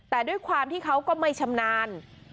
แต่ด้วยความที่เขาก็ไม่ชำนาญ